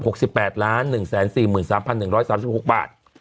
หกสิบแปดล้านหนึ่งแสนสี่หมื่นสามพันหนึ่งร้อยสามสิบหกบาท